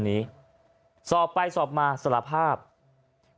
นี่ไงอ่านลองดู